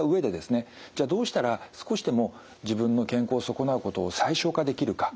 じゃあどうしたら少しでも自分の健康を損なうことを最小化できるか。